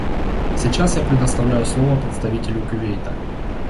Сейчас я предоставляю слово представителю Кувейта.